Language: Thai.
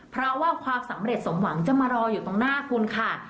เพราะว่าความสำเร็จสมหวังจะมารออยู่ตรงหน้าคุณค่ะ